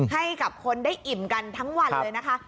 ให้กับคนได้อิ่มกันทั้งวันเลยนะคะ